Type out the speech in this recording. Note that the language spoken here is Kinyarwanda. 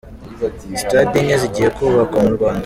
Sitade Enye zigiye kubakwa mu Rwanda